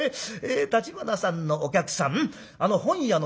『橘さんのお客さんあの本屋の善公は』。